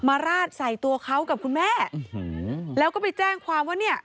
ราดใส่ตัวเขากับคุณแม่แล้วก็ไปแจ้งความว่าเนี่ย